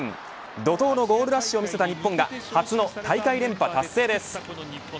怒とうのゴールラッシュを見せた日本が初の大会連覇達成です。